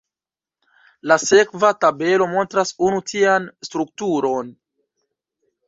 La sekva tabelo montras unu tian strukturon.